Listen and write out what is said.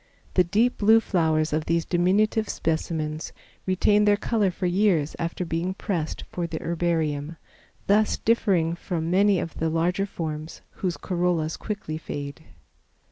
The deep blue flowers of these diminutive specimens retain their color for years after being pressed for the herbarium, thus differing from many of the larger forms, whose corollas quickly fade.